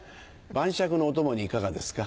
晩酌のお供にいかがですか？